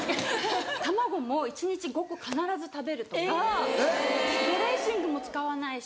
卵も一日５個必ず食べるとかドレッシングも使わないし。